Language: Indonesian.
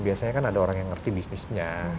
biasanya kan ada orang yang ngerti bisnisnya